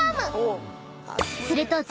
［すると］